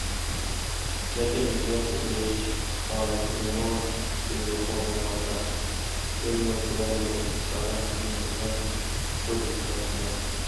لېكىن ھۆكۈمەت سېتىۋېلىش پائالىيىتىدىمۇ سۈپىتى يۇقىرى بولماسلىق، ئۈنۈمى تۆۋەن بولۇش قاتارلىق مەسىلىلەر كۆرۈلۈشكە باشلىدى.